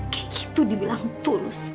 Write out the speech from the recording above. kayak gitu dibilang tulus